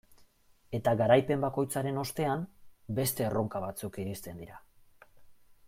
Eta garaipen bakoitzaren ostean beste erronka batzuk iristen dira.